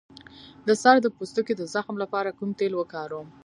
د سر د پوستکي د زخم لپاره کوم تېل وکاروم؟